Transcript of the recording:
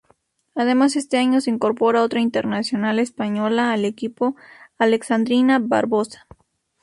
Además este año se incorpora otra internacional española al equipo, Alexandrina Barbosa.